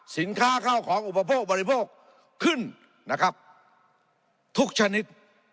สินค้าข้าวของอุปโภคบริโภคขึ้นนะครับทุกชนิด